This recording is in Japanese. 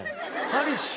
パリッシュ？